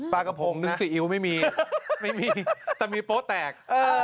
ปากกระพงนึกสีอิ้วไม่มีแต่มีโปสต์แตก